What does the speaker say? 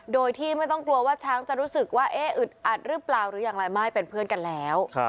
โดยที่ไม่ต้องกลัวว่าช้างจะรู้สึกว่าอึดอัดหรือเปล่าหรืออย่างไรไม่เป็นเพื่อนกันแล้ว